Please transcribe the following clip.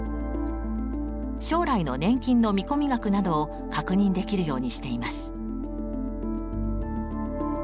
将来の年金の見込み額などを確認できるようにしています。